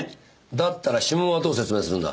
だったら指紋はどう説明するんだ？